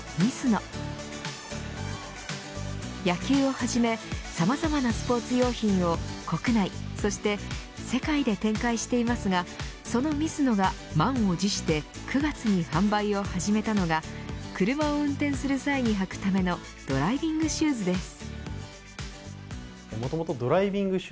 野球をはじめさまざまなスポーツ用品を国内、そして世界で展開していますがそのミズノが満を持して９月に販売を始めたのが車を運転する際に履くためのドライビングシューズです。